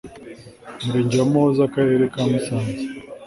Murenge wa Muhoza Akarere ka Musanze